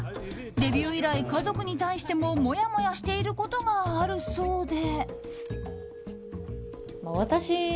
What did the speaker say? デビュー以来、家族に対してももやもやしていることがあるそうで。